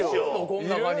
この中に。